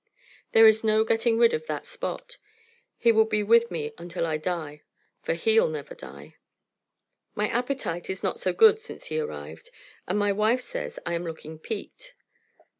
There is no getting rid of that Spot. He will be with me until I die, for he'll never die. My appetite is not so good since he arrived, and my wife says I am looking peaked.